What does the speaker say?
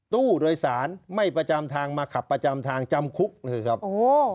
ตู้โดยสารไม่ประจำทางมาขับประจำทางจำคุกนะครับโอ้